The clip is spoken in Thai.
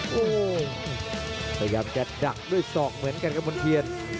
โอ้โหพยายามจะดักด้วยศอกเหมือนกันครับมณ์เทียน